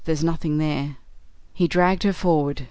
There's nothing there." He dragged her forward.